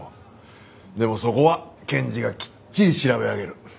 でもそこは検事がきっちり調べ上げる。